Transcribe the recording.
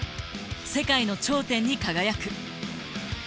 世界の頂点に輝く。